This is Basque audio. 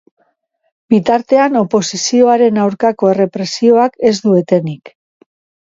Bitartean, oposizioaren aurkako errepresioak ez du etenik.